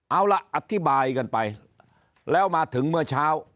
เอาล่ะอธิบายกันไปแล้วมาถึงเมื่อเช้า